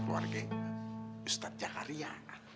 keluarga ustadz jakaria